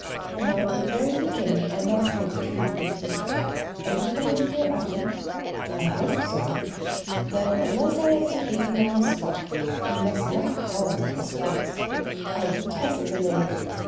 "Now, at the very beginning, I must make a treaty with you. Are you coming here often?" "I hope so." "Then, unless I am to hate you on the spot, you must not call me Miss Brace. I detest the name!